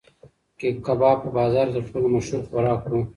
کباب په بازار کې تر ټولو مشهور خوراک و.